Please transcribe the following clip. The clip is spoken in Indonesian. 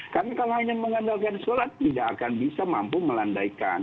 karena kalau hanya mengandalkan sekolah tidak akan bisa mampu melandaikan